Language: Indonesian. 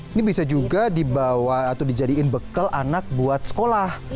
ini bisa juga dibawa atau dijadikan bekal anak buat sekolah